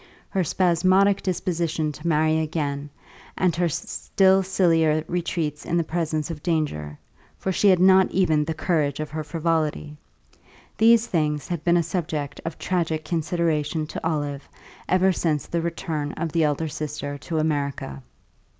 her spasmodic disposition to marry again, and her still sillier retreats in the presence of danger (for she had not even the courage of her frivolity), these things had been a subject of tragic consideration to Olive ever since the return of the elder sister to America.